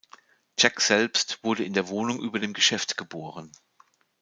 Jack selbst wurde in der Wohnung über dem Geschäft geboren.